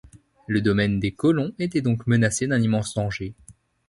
Le domaine des colons était donc menacé d’un immense danger